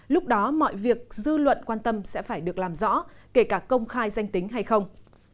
lúc đó mọi việc dư luận quan tâm sẽ phải được làm rõ kể cả công khai danh tính hay không